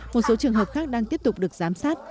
một số trường hợp khác đang tiếp tục được giám sát